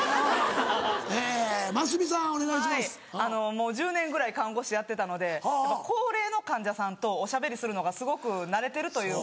もう１０年ぐらい看護師やってたので高齢の患者さんとおしゃべりするのがすごく慣れてるというか。